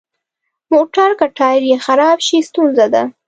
موټر که ټایر یې خراب شي، ستونزه ده.